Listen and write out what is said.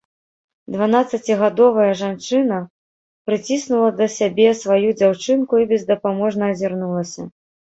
Дванаццацігадовая жанчына прыціснула да сябе сваю дзяўчынку і бездапаможна азірнулася.